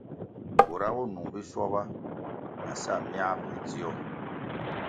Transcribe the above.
Bura bo nung biswaba na sa myā pe dzio.